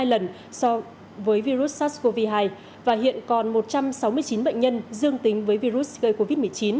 hai lần so với virus sars cov hai và hiện còn một trăm sáu mươi chín bệnh nhân dương tính với virus gây covid một mươi chín